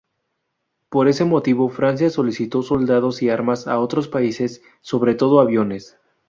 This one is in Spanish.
Por ese motivo, Francia solicitó soldados y armas a otros países, sobre todo aviones.